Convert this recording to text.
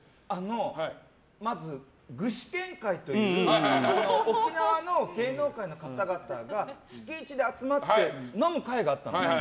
まず具志堅会という沖縄の芸能界の方々が月１で集まって飲む会があったの。